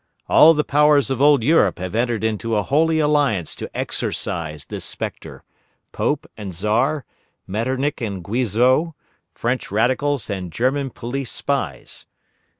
All the Powers of old Europe have entered into a holy alliance to exorcise this spectre: Pope and Czar, Metternich and Guizot, French Radicals and German police spies.